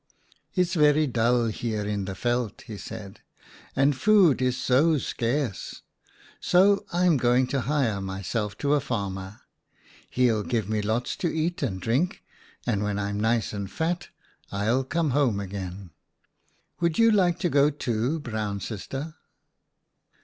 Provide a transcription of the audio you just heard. "' It's very dull here in the veld,' he said, ' and food is so scarce, so I'm going to hire myself to a farmer. He'll give me lots to eat and drink, and when I'm nice and fat I'll 48 OUTA KAREL'S STORIES come home again. Would you like to go too, Brown Sister?"